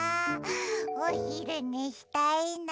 おひるねしたいな。